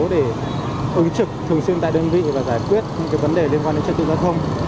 để ứng trực thường xuyên tại đơn vị và giải quyết những vấn đề liên quan đến trật tự giao thông